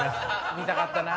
見たかったな。